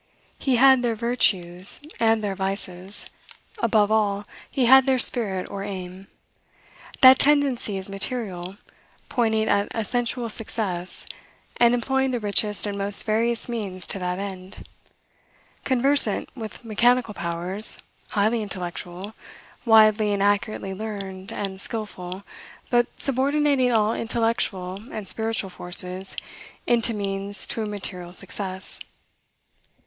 He had their virtues, and their vices; above all, he had their spirit or aim. That tendency is material, pointing at a sensual success, and employing the richest and most various means to that end; conversant with mechanical powers, highly intellectual, widely and accurately learned and skilful, but subordinating all intellectual and spiritual forces into means to a material success.